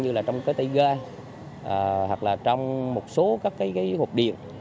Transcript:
như là trong cái tay ga hoặc là trong một số các cái hộp điện